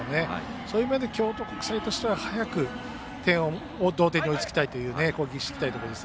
そういう面で京都国際としては早く同点に追いつきたいという攻撃したいところです。